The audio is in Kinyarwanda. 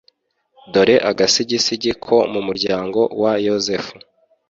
dore agasigisigi ko mu muryango wa Yozefu.